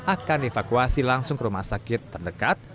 akan dievakuasi langsung ke rumah sakit terdekat